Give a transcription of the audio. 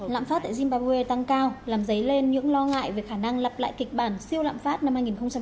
lạm phát tại zimbabwe tăng cao làm giấy lên những lo ngại về khả năng lặp lại kịch bản siêu lạm phát năm hai nghìn tám